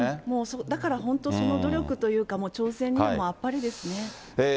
だから、本当、その努力というか、挑戦にあっぱれですね。